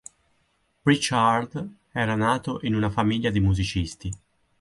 Pritchard era nato in una famiglia di musicisti.